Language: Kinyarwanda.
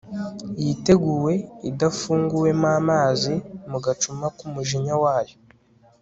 yiteguwe idafunguwemo amazi mu gacuma kumujinya wayo